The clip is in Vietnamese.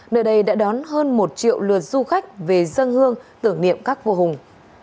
nơi đây đã đón hơn một triệu lượt du khách về dân hương tưởng niệm các vô hùng